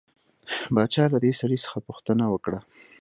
باچا له دې سړي څخه پوښتنه وکړه.